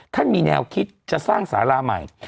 มีแนวคิดจะสร้างสาราใหม่